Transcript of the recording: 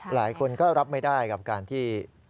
หลายคนก็รับไม่ได้กับการที่